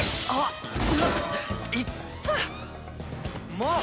もう！